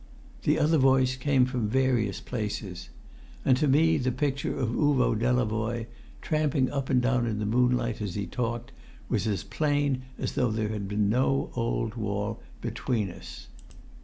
The other voice came from various places. And to me the picture of Uvo Delavoye, tramping up and down in the moonlight as he talked, was as plain as though there had been no old wall between us.